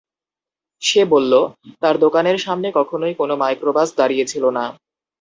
সে বলল, তার দোকানের সামনে কখনোই কোনো মাইক্রোবাস দাঁড়িয়ে ছিল না!